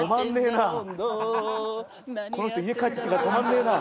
この人家帰ってきてから止まんねえな。